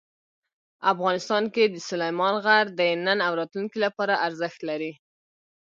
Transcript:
افغانستان کې سلیمان غر د نن او راتلونکي لپاره ارزښت لري.